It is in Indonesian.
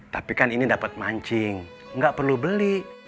tapi kan ini dapat mancing nggak perlu beli